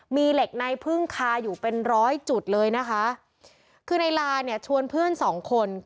มีเหล็กในพึ่งคาอยู่เป็นร้อยจุดเลยนะคะคือในลาเนี่ยชวนเพื่อนสองคน